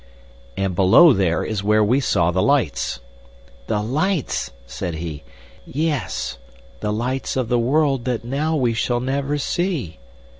"And below there, is where we saw the lights." "The lights!" said he. "Yes—the lights of the world that now we shall never see."